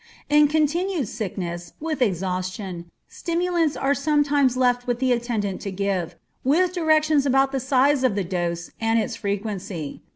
In continued sickness, with exhaustion, stimulants are sometimes left with the attendant to give, with directions about the size of the dose and its frequency.